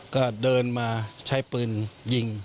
ก็เดินมาใช้ปืนยิง